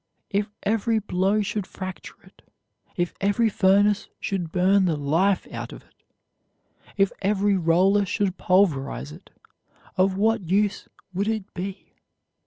If every blow should fracture it, if every furnace should burn the life out of it, if every roller should pulverize it, of what use would it be?